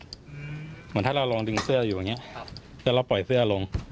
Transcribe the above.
เหมือนถ้าเราลองดึงเสื้ออยู่อย่างเงี้ยครับแล้วเราปล่อยเสื้อลง